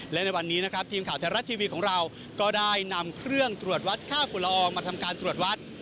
และในวันนี้นะครับทีมข่าวไทยรัฐทีวีของเราก็ได้นำเครื่องตรวจวัดค่าฝุ่นละอองมาทำการตรวจวัด